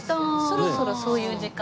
そろそろそういう時間。